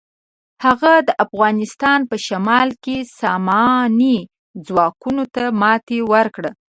هغه د افغانستان په شمالي کې ساماني ځواکونو ته ماتې ورکړه.